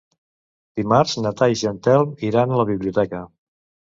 Dimarts na Thaís i en Telm iran a la biblioteca.